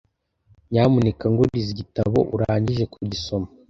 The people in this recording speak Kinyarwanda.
Nyamuneka nguriza igitabo urangije kugisoma.